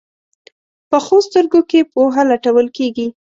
پخو سترګو کې پوهه لټول کېږي